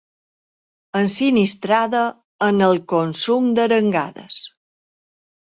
Ensinistrada en el consum d'arengades.